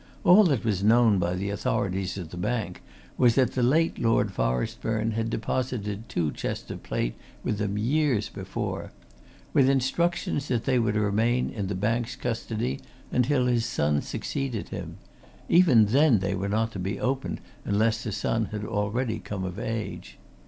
All that was known by the authorities at the bank was that the late Lord Forestburne had deposited two chests of plate with them years before, with instructions that they were to remain in the bank's custody until his son succeeded him even then they were not to be opened unless the son had already come of age.